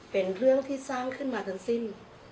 เป็นเรื่องที่สร้างขึ้นมาทั้งสิ้น